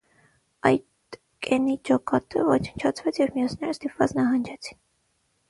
Այտկենի ջոկատը ոչնչացվեց և մյուսները ստիպված նահանջեցին։